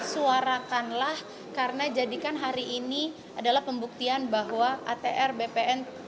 suarakanlah karena jadikan hari ini adalah pembuktian bahwa atr bpn